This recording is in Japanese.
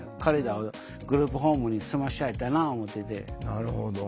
なるほど。